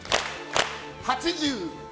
８０。